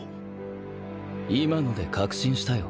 今ので確信したよ